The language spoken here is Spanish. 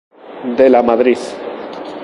De la Madrid.